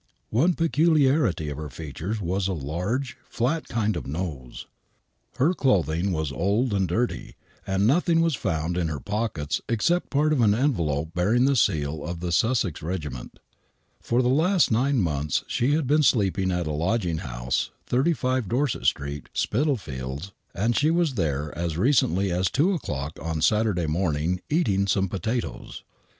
One peculiarity of her features was a large, flat kind of nose. Her clothing was old and dirty, and nothing was found in her pockets except part of envelope bearing the seal of the Sussex Eegiment Eor the last nine months she had been sleeping at a lodging house, 35 Dorset Street, Spitalfields, and she was there as recently as 2 o'clock on Saturday morning eating some potatoes.